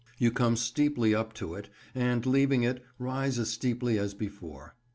You come steeply up to it, and, leaving it, rise as steeply as before.